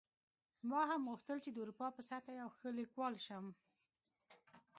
ما هم غوښتل چې د اروپا په سطحه یو ښه لیکوال شم